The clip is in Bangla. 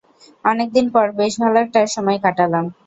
অনেকদিন পর বেশ ভালো একটা সময় কাটালাম!